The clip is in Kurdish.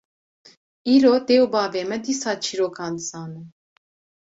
Îro dê û bavê me dîsa çîrokan dizanin